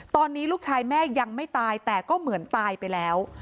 ตอนนี้ลูกชายแม่ยังไม่ตายแต่ก็เหมือนตายไปแล้ว